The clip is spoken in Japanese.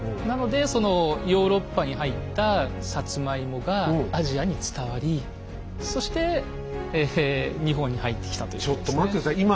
なのでそのヨーロッパに入ったサツマイモがアジアに伝わりそして日本に入ってきたというですね。